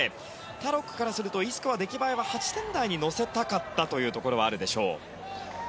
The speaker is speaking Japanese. タロックからするとＥスコア出来栄えは８点台に乗せたかったというところはあるでしょう。